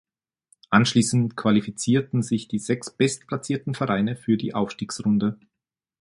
Anschließend qualifizierten sich die sechs bestplatzierten Vereine für die Aufstiegsrunde.